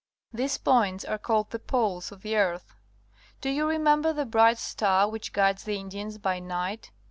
These points are called tlie Poles of the earth. Do you remember the bright star w'hich guides the Indians by night?